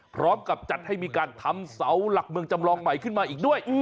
พร้อมกับจัดให้มีการทำเสาหลักเมืองจำลองใหม่ขึ้นมาอีกด้วย